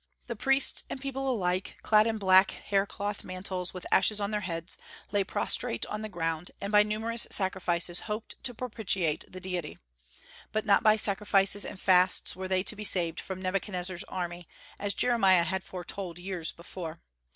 The priests and people alike, clad in black hair cloth mantles, with ashes on their heads, lay prostrate on the ground, and by numerous sacrifices hoped to propitiate the Deity. But not by sacrifices and fasts were they to be saved from Nebuchadnezzar's army, as Jeremiah had foretold years before.